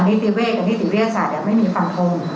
อันนี้ติเวศะอันนี้ติเวศะเนี่ยไม่มีฟังธง